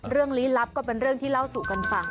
ลี้ลับก็เป็นเรื่องที่เล่าสู่กันฟัง